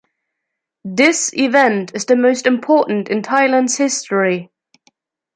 This event is the most important in Thailand’s history.